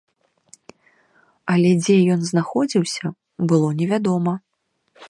Але дзе ён знаходзіўся, было невядома.